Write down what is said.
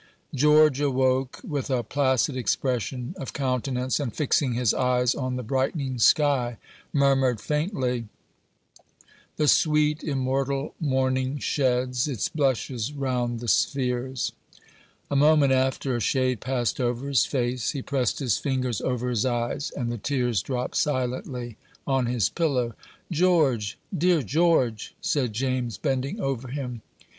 George awoke with a placid expression of countenance, and fixing his eyes on the brightening sky, murmured faintly, "The sweet, immortal morning sheds Its blushes round the spheres." A moment after, a shade passed over his face; he pressed his fingers over his eyes, and the tears dropped silently on his pillow. "George! dear George!" said James, bending over him.